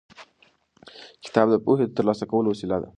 کتاب د پوهې د ترلاسه کولو وسیله ده.